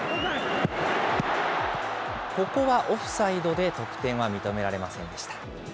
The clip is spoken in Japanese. ここはオフサイドで得点は認められませんでした。